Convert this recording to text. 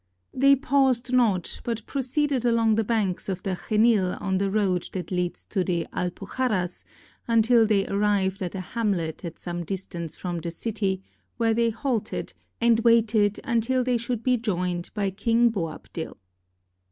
459 SPAIN They paused not, but proceeded along the banks of the Xenil on the road that leads to the Alpuxarras, until they arrived at a hamlet at some distance from the city, where they halted, and waited until they should be joined by King Boabdil.